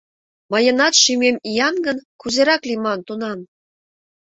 Мыйынат шӱмем иян гын, Кузерак лийман тунам?